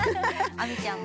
◆亜美ちゃんも。